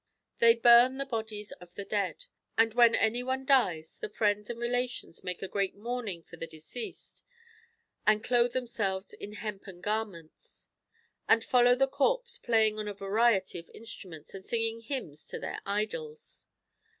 They burn the bodies of the dead. And when any one dies the friends and relations make a great mourning for the deceased, and clothe themselves in hempen garments," and follow the corpse playing on a variety of instruments and singing hymns to their idols.